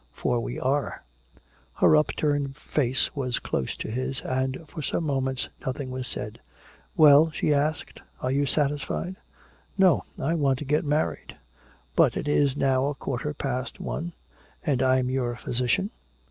For we are!" Her upturned face was close to his, and for some moments nothing was said, "Well?" she asked. "Are you satisfied?" "No I want to get married. But it is now a quarter past one. And I'm your physician.